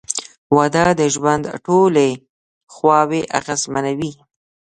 • واده د ژوند ټولې خواوې اغېزمنوي.